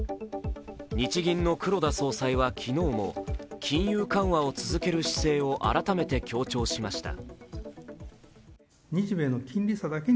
日銀の黒田総裁は昨日も金融緩和を続ける姿勢を改めて強調しました。